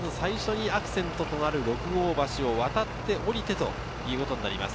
最初にアクセントとなる六郷橋を渡って下りてとなります。